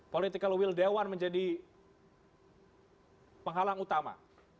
political will dewan menjadi penghalang utama